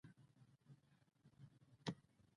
پر دیوالونو یې په عربي ژبه هنري خطاطي ده.